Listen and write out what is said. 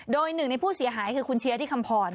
โดยหนึ่งในผู้เสียหายคือคุณเชียร์ที่คำพร